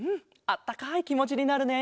あったかいきもちになるね。